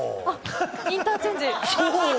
インターチェンジ。